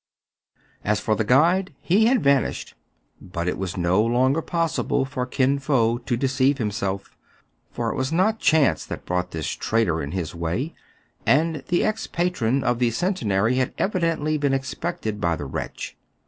As for the guide, he had vanished. But it was no longer possible for Kin Fo to deceive himself ; for it was not chance that brought this traitor in his way, and the ex patron of the Centenary had evidently been expected by the wretch.